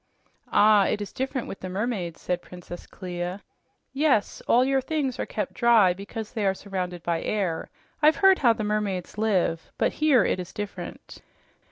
"Ah, it is different with the mermaids," said Princess Clia. "Yes, all your things are kept dry because they are surrounded by air. I've heard how the mermaids live. But here it is different."